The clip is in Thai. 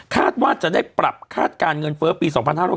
ว่าจะได้ปรับคาดการณ์เงินเฟ้อปี๒๕๖๐